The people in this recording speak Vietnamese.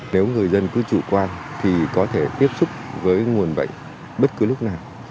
nếu người dân cứ chủ quan thì có thể tiếp xúc với nguồn bệnh bất cứ lúc nào